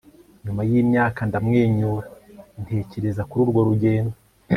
nyuma yimyaka ndamwenyura ntekereza kuri urwo rugendo